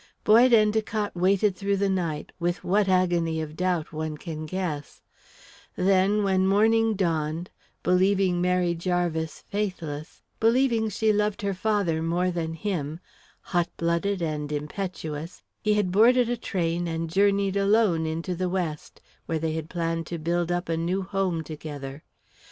Boyd Endicott waited through the night, with what agony of doubt one can guess; then, when morning dawned, believing Mary Jarvis faithless believing she loved her father more than him hot blooded and impetuous, he had boarded a train and journeyed alone into the West, where they had planned to build up a new home together.